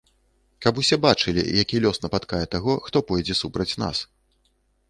Каб усе бачылі, які лёс напаткае таго, хто пойдзе супраць нас.